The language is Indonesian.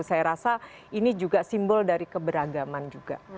saya rasa ini juga simbol dari keberagaman juga